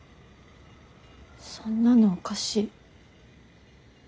そんなのおかしい。